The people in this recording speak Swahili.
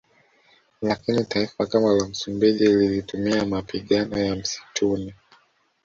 Lakini taifa kama la Msumbiji lilitumia mapigano ya msituni